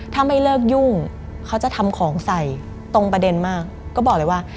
ถ้าไม่เลิกยุ่งเขาจะทำของใส่ตรงประเด็นมากก็บอกเลยว่า